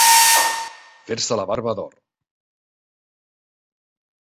Fer-se la barba d'or.